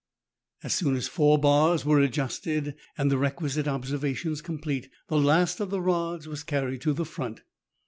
As soon as four bars were adjusted, and the requisite observations complete, the last of the rods was carried to the front.